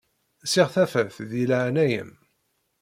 Ssiɣ tafat di laɛnaya-m.